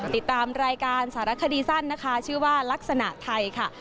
ติดตามรายการสารคดีสั้นนะคะชื่อว่าลักษณะไทยค่ะ